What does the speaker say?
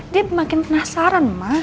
dia makin penasaran ma